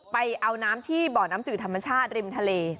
ไปเอาน้ำที่บ่อน้ำจืดธรรมชาติริมทะเล